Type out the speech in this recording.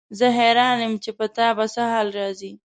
زه حیران یم چې په تا به څه حال راځي.